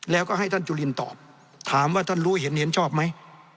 แล้วก็ให้ท่านจุลินตอบถามว่าท่านรู้เห็นเห็นชอบไหม